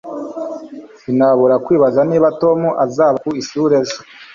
Sinabura kwibaza niba Tom azaba ku ishuri ejo